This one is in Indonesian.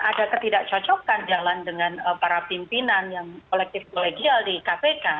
ada ketidakcocokan jalan dengan para pimpinan yang kolektif kolegial di kpk